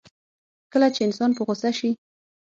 کله چې انسان په غوسه شي.